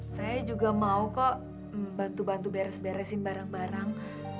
saya juga mau kok bantu bantu beres beresin barang barang